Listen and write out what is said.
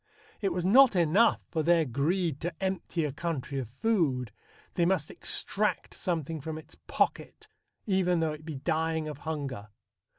It was not enough for their greed to empty a country of food; they must extract something from its pocket, even though it be dying of hunger....